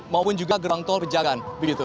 maupun juga gerbang tol pejagaan